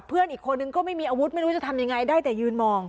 เพื่อนอีกคนนึงก็ไม่มีอาวุธไม่รู้จะทำยังไงได้แต่ยืนมอง